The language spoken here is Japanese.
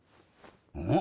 うん？